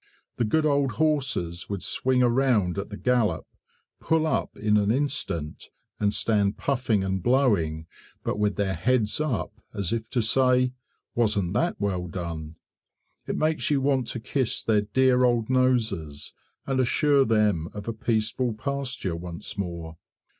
The good old horses would swing around at the gallop, pull up in an instant, and stand puffing and blowing, but with their heads up, as if to say, "Wasn't that well done?" It makes you want to kiss their dear old noses, and assure them of a peaceful pasture once more.